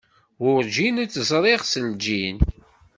Werǧin i t-ẓriɣ s lǧin.